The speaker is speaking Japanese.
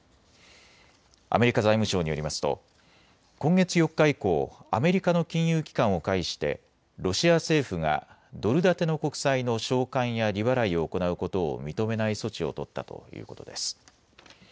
アメリカ財務省によりますと今月４日以降、アメリカの金融機関を介してロシア政府がドル建ての国債の償還や利払いを行うことを認めない措置を取ったということです。